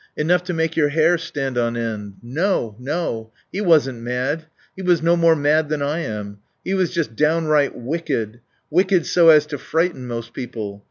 Enough to make your hair stand on end. No! No! He wasn't mad. He was no more mad than I am. He was just downright wicked. Wicked so as to frighten most people.